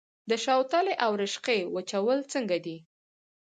د شوتلې او رشقه وچول څنګه دي؟